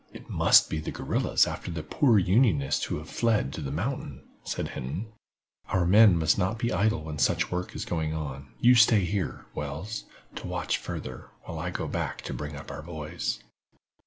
"It must be the guerrillas after the poor Unionists who have fled to the mountain," said Hinton. "Our men must not be idle when such work is going on. You stay here, Wells, to watch further, while I go back to bring up our boys."